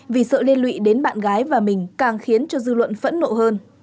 vì sợ liên lụy đến bạn gái và mình càng khiến cho dư luận phẫn nộ hơn